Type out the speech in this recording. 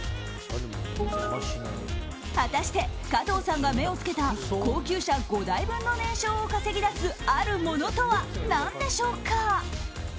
果たして、加藤さんが目を付けた高級車５台分の年商を稼ぎ出すあるものとはなんでしょうか？